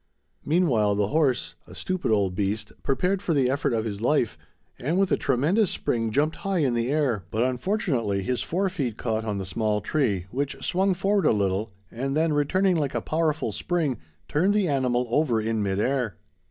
Meanwhile the horse, a stupid old beast, prepared for the effort of his life, and with a tremendous spring jumped high in air, but unfortunately his fore feet caught on the small tree, which swung forward a little and then returning like a powerful spring, turned the animal over in mid air.